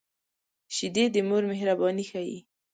شیدې د مور مهرباني ښيي